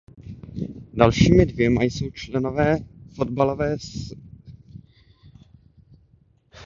Dalšími dvěma jsou členové Fotbalové síně slávy amerického fotbalu Jim Brown a Barry Sanders.